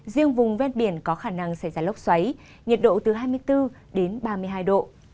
riêng vùng ven biển có khả năng xảy ra lốc xoáy nhiệt độ từ hai mươi bốn đến ba mươi hai độ